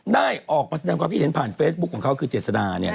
ได้ออกมาแสดงความคิดเห็นผ่านเฟซบุ๊คของเขาคือเจษดา